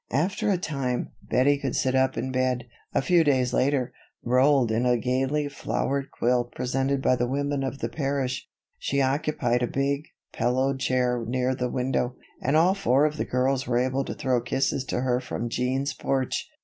After a time, Bettie could sit up in bed. A few days later, rolled in a gaily flowered quilt presented by the women of the parish; she occupied a big, pillowed chair near the window; and all four of the girls were able to throw kisses to her from Jean's porch.